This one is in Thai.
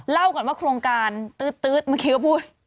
เล่าก่อนว่าโครงการตื๊ดเมื่อกี้ก็พูด